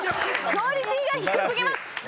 クオリティーが低過ぎます！